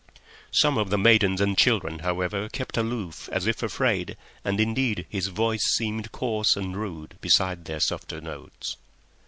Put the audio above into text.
Some of the maidens and children, however, kept aloof as if afraid, and indeed his voice seemed coarse and rude beside their softer notes.